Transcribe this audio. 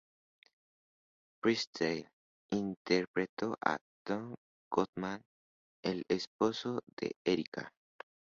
Priestley interpretó a Dan Goldman, el esposo de Erica.